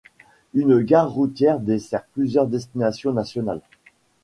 Une gare routière dessert plusieurs destinations nationales.